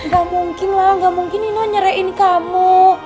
gak mungkin lah gak mungkin ino nyeraiin kamu